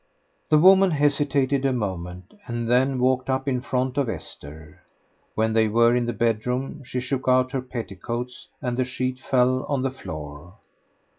The woman hesitated a moment, and then walked up in front of Esther. When they were in the bedroom she shook out her petticoats, and the sheet fell on the floor.